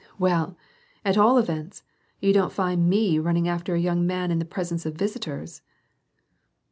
"Well, at all events, you don't find me running after a young man in the presence of visitors."